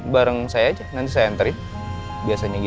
semoga mas al seneng